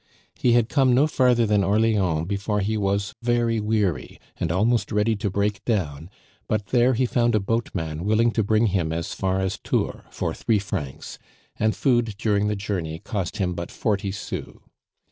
He had come no farther than Orleans before he was very weary, and almost ready to break down, but there he found a boatman willing to bring him as far as Tours for three francs, and food during the journey cost him but forty sous.